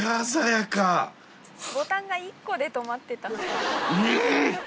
ボタンが１個で留まってた。